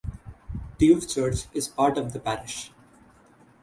Tuve Church is part of the parish.